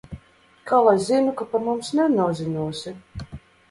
Kā lai zinu, Ka par mums nenoziņosi?